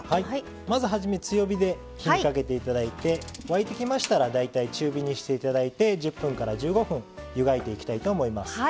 まず初め、強火で火にかけていただいて沸いてきましたら、大体中火にしていただいて１０分から１５分湯がいていきたいと思います。